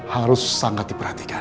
harus sangat diperhatikan